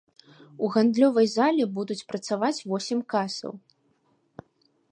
У гандлёвай зале будуць працаваць восем касаў.